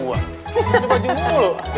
ganti baju mulu